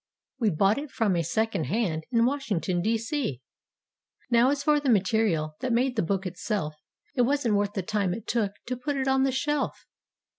We bought it from a "Second Hand" in Washing¬ ton, D. C. Now, as for the material, that made the book itself It wasn't worth the time it took to put it on the shelf.